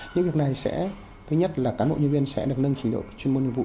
những việc này sẽ thứ nhất là cán bộ nhân viên sẽ được nâng trình độ chuyên môn nhiệm vụ